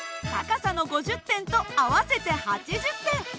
高さの５０点と合わせて８０点。